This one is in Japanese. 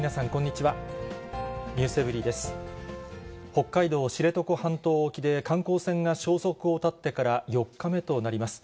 北海道知床半島沖で、観光船が消息を絶ってから４日目となります。